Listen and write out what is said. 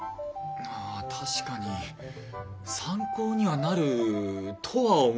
ああ確かに参考にはなるとは思いますが。